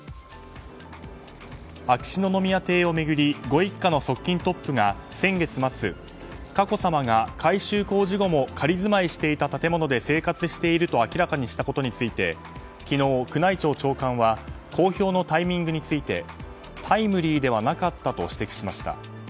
秋篠宮邸を巡りご一家の側近トップが先月末、佳子さまが改修工事後も仮住まいしていた建物で生活していると明らかにしたことについて昨日、宮内庁長官は公表のタイミングについてタイムリーではなかったと指摘しました。